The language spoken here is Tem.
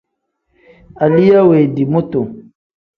Zaliya wendii mutu.